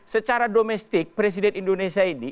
secara domestik presiden indonesia ini